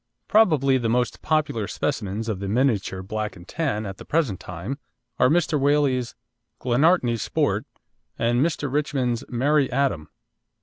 Probably the most popular specimens of the miniature Black and Tan at the present time are Mr. Whaley's Glenartney Sport and Mr. Richmond's Merry Atom.